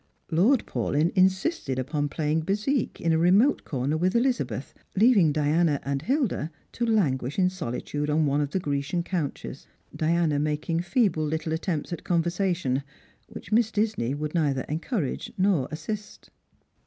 Lord Taulyn insisted upon playing bezique in a remote corner with Elizabeth, leaving Diana and Hilda to languish in solitude on one of the Grecian couches, Diana making feeble little attempts at conversation, which Miss Disney would neither encourage nor assist.